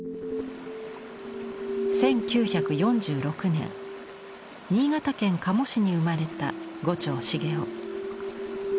１９４６年新潟県加茂市に生まれた牛腸茂雄。